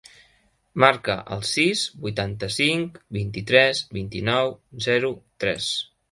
Marca el sis, vuitanta-cinc, vint-i-tres, vint-i-nou, zero, tres.